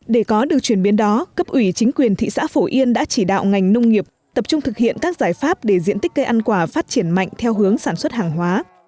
để có được chuyển biến đó cấp ủy chính quyền thị xã phổ yên đã chỉ đạo ngành nông nghiệp tập trung thực hiện các giải pháp để diện tích cây ăn quả phát triển mạnh theo hướng sản xuất hàng hóa